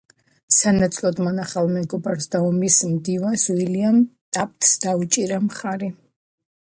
სანაცვლოდ მან ახლო მეგობარს და ომის მდივანს უილიამ ტაფტს დაუჭირა მხარი.